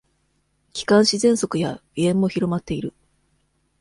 気管支ぜんそくや鼻炎も広まっている。